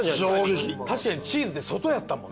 確かにチーズって外やったもん。